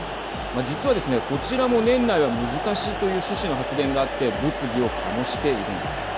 実はですねこちらも年内は難しいという趣旨の発言があって物議を醸しているんです。